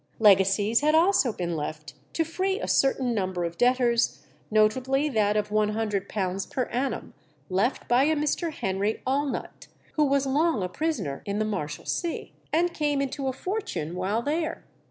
Legacies had also been left to free a certain number of debtors, notably that of £100 per annum left by a Mr. Henry Allnutt, who was long a prisoner in the Marshalsea, and came into a fortune while there.